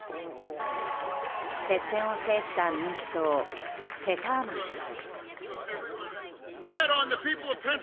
接戦を制した民主党、フェターマン氏。